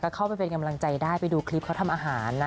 เข้าไปเป็นกำลังใจได้ไปดูคลิปเขาทำอาหารนะ